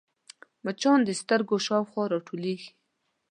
مچان د سترګو شاوخوا راټولېږي